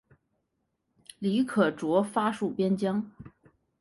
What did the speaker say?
李可灼发戍边疆。